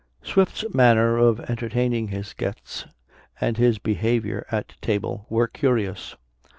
Swift's manner of entertaining his guests, and his behavior at table, were curious.